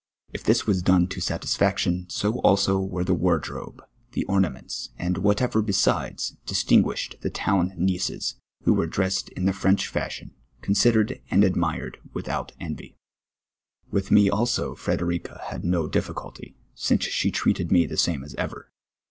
If this Avas done to satisfaction, so also were the wanlrobe, the ornaments, and whatever besides distinu:uished the town nieces, who were dressed in the Frencli fashion, considered and ad mired witliout envy. With me also Frederica had no difficulty, since she treated me the same as ever.